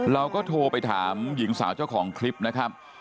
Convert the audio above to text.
เราก็โทรไปถามหญิงสาวเจ้าของคลิปนะครับ